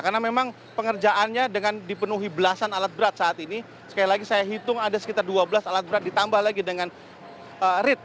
karena memang pengerjaannya dengan dipenuhi belasan alat berat saat ini sekali lagi saya hitung ada sekitar dua belas alat berat ditambah lagi dengan rit